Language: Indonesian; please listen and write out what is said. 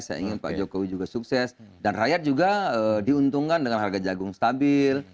saya ingin pak jokowi juga sukses dan rakyat juga diuntungkan dengan harga jagung stabil